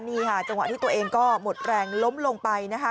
นี่ค่ะจังหวะที่ตัวเองก็หมดแรงล้มลงไปนะคะ